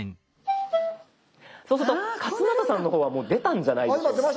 そうすると勝俣さんの方はもう出たんじゃないでしょうか。